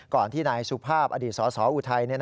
ที่นายสุภาพอดีตสสออุทัย